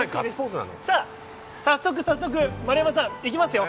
早速、丸山さんいきますよ！